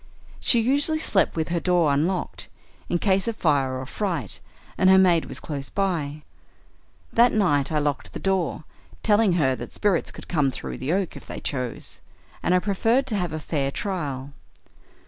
She usually slept with her door unlocked, in case of fire or fright, and her maid was close by. That night I locked the door, telling her that spirits could come through the oak if they chose, and I preferred to have a fair trial.